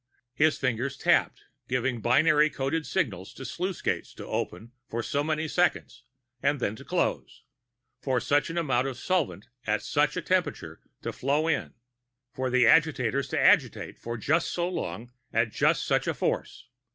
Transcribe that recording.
His fingers tapped, giving binary coded signals to sluice gates to open for so many seconds and then to close; for such an amount of solvent at such a temperature to flow in; for the agitators to agitate for just so long at just such a force.